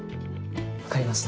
分かりました。